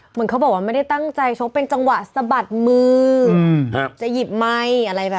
เหมือนเขาบอกว่าไม่ได้ตั้งใจชกเป็นจังหวะสะบัดมือจะหยิบไมค์อะไรแบบ